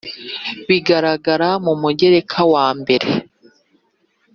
bigaragara mu Mugereka wa mbere